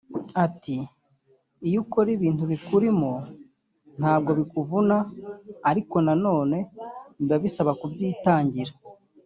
Ati "Iyo ukora ibintu bikurimo ntabwo bikuvuna ariko na none biba bisaba kubyitangira